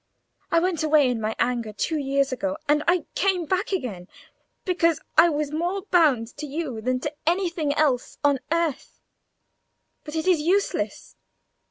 I went away in my anger two years ago, and I came back again because I was more bound to you than to anything else on earth. But it is useless.